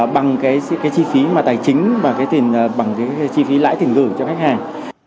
bằng cái chi phí mà tài chính và bằng cái chi phí lãi tiền gửi cho khách hàng